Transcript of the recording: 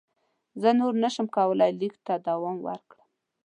زه نور نه شم کولای لیک ته دوام ورکړم.